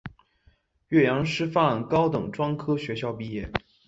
岳阳师范高等专科学校毕业。